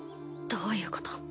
どういうこと？